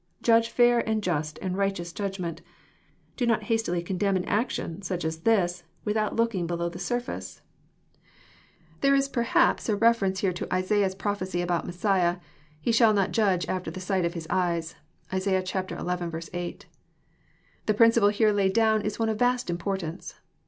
Judge fair and just and righteous judgment. Do not hastily condemn an ac^ilon, such as this, without looking below the surface." 2 26 EXPOSITORY THOUGHTS, There is perhaps a reference here to Isaiah's prophecy about Messiah, '*IIe shall not jadge after the sight of His eyes/' (Isa. xi. 8.) The principle here laid down is one of vast importance.